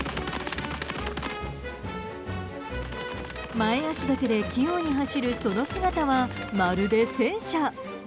前脚だけで器用に走るその姿はまるで戦車。